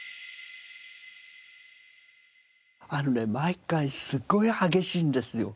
あのね毎回すごい激しいんですよ。